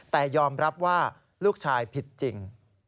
แต่ยอมรับว่าลูกชายผิดจริง